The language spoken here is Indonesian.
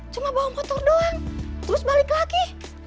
cuma bawa motor doang terus balik lagi